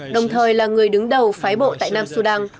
đồng thời là người đứng đầu phái bộ tại nam sudan